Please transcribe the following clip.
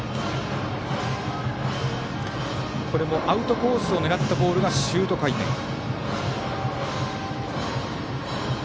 アウトコースを狙ったボールがシュート回転。